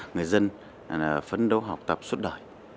người dân là phấn đấu học tập suốt đời